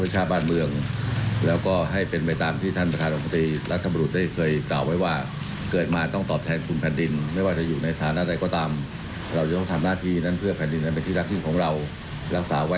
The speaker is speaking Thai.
จัดสนาพระบาทต่อตัวใช้กองหนุนไปเกือบหมดแล้ว